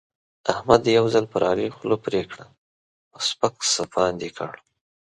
احمد یو ځل پر علي خوله پرې کړه او سپک سپاند يې کړ.